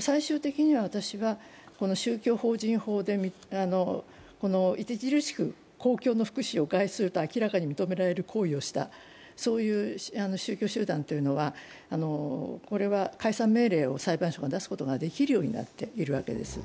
最終的には、宗教法人法で著しく公共の福祉を害すると明らかに認められる行為をした、そういう宗教集団というのは解散命令を裁判所が出すことができるようになっているわけです。